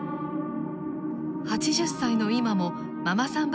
８０歳の今もママさん